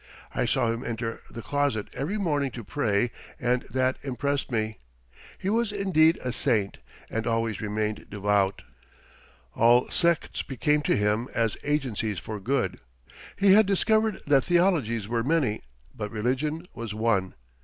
I saw him enter the closet every morning to pray and that impressed me. He was indeed a saint and always remained devout. All sects became to him as agencies for good. He had discovered that theologies were many, but religion was one.